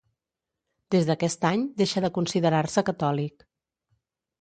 Des d'aquest any deixa de considerar-se catòlic.